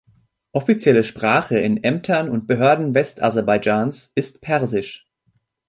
Offizielle Sprache in Ämtern und Behörden West-Aserbaidschans ist persisch.